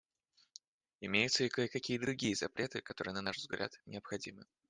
Имеются и кое-какие другие запреты, которые, на наш взгляд, необходимы.